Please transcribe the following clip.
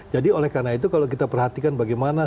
jadi oleh karena itu kalau kita perhatikan bagaimana